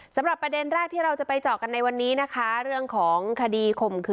สำหรับประเด็นแรกที่เราจะไปเจาะกันในวันนี้นะคะเรื่องของคดีข่มขืน